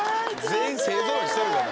全員勢ぞろいしとるがな。